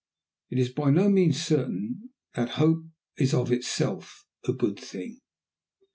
It is by no means certain that hope is of itself a good thing.